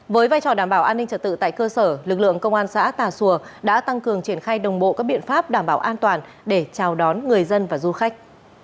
với vai trò đảm bảo an ninh trật tự tại cơ sở lực lượng công an xã tà xùa đã tăng cường triển khai đồng bộ các biện pháp đảm bảo an toàn để chào đón người dân và du khách